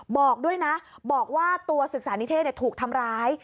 บอกด้วยนะบอกว่าตัวศึกษานิเทศถูกทำร้าย